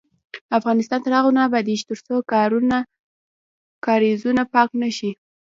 افغانستان تر هغو نه ابادیږي، ترڅو کاریزونه پاک نشي.